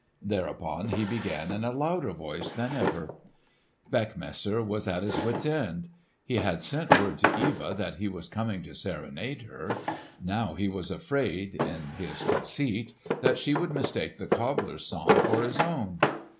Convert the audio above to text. Thereupon he began in a louder voice than ever. Beckmesser was at his wits' end. He had sent word to Eva that he was coming to serenade her. Now he was afraid, in his conceit, that she would mistake the cobbler's song for his own.